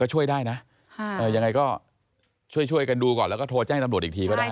ช่วยได้นะยังไงก็ช่วยกันดูก่อนแล้วก็โทรแจ้งตำรวจอีกทีก็ได้